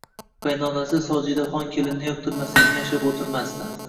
Qaynonasi Sojidaxon kelinni yoqtirmasligini yashirib o`tirmasdi